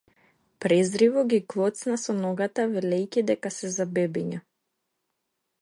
Презриво ги клоцна со ногата велејќи дека се за бебиња.